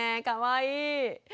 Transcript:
かわいい。